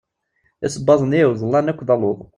Isebbaḍen-iw ḍlan akk d aluḍ.